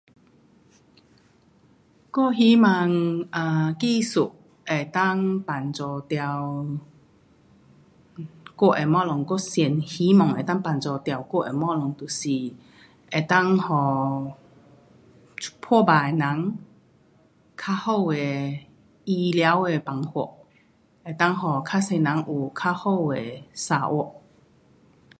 我希望 um 技术能够帮助到我的东西。我最希望能够帮助到我的东西就是能够给破病的人，较好的医疗的办法，能够给较多人有较好的生活。